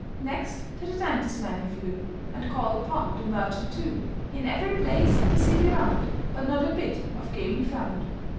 Next to the dentist man he flew, And called upon the merchant, too; In every place, the city 'round, But not a bit of game he found.